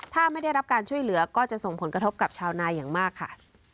ถ้าไม่ได้รับการช่วยเหลือก็จะส่งผลกระทบกับชาวนาอย่างมากค่ะ